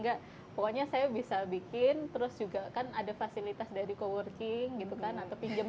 enggak pokoknya saya bisa bikin terus juga kan ada fasilitas dari co working gitu kan atau pinjam